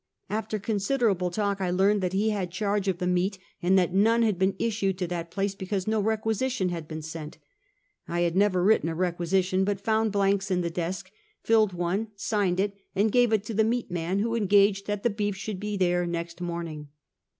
After considerable talk I learned that he had charge of the meat, and that none had been issued to that place, because no " requisition " had been sent. I had never written a requisition, but found blanks in that desk, filled one, signed it and gave it to the meat man, who engaged that the beef should be there next morn ing.